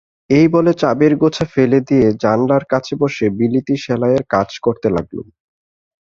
এই বলে চাবির গোছা ফেলে দিয়ে জানলার কাছে বসে বিলিতি সেলাইয়ের কাজ করতে লাগলুম।